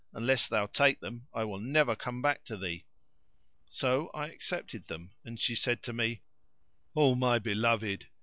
unless thou take them I will never come back to thee." So I accepted them and she said to me, "O my beloved!